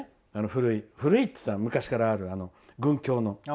古い古いっていうか昔からある群響の。